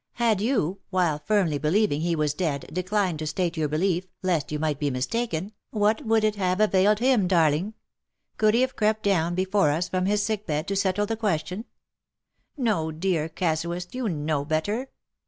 had you, while firmly believing he was dead, declined to state your belief, lest you might be mistaken, what would it have availed him, darling ? Could he have crept down be fore us from his sick bed to settle the question ? No, dear casuist you know better.